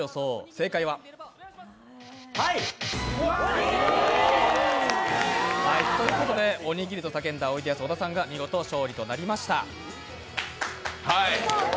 正解は「おにぎり」ということでおにぎりと叫んだおいでやす小田さんが勝利となりました。